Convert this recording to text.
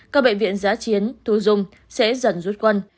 các bệnh viện giá chiến thu dung sẽ dần rút quân